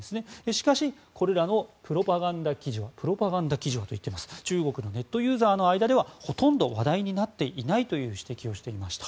しかし、これらのプロパガンダ記事は中国のネットユーザーの間ではほとんど話題になっていないという指摘をしていました。